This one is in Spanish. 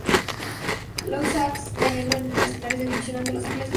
Louis Hawks, cayendo en las finales de división ante Los Angeles Lakers.